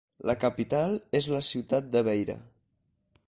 La capital és la ciutat de Beira.